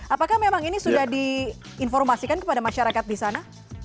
apakah memang ini sudah diinformasikan kepada masyarakat di sana